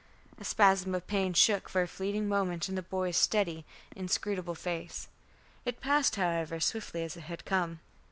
A spasm of pain shook for a fleeting moment the boy's steady inscrutable face. It passed, however, swiftly as it had come.